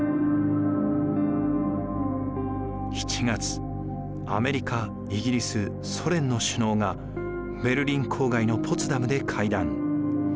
７月アメリカイギリスソ連の首脳がベルリン郊外のポツダムで会談。